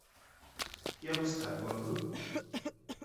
কী অবস্থা, বন্ধু?